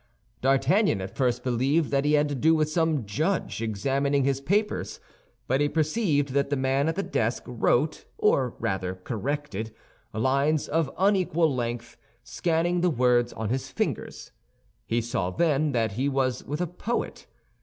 D'Artagnan at first believed that he had to do with some judge examining his papers; but he perceived that the man at the desk wrote, or rather corrected, lines of unequal length, scanning the words on his fingers. He saw then that he was with a poet.